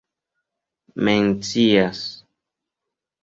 mencias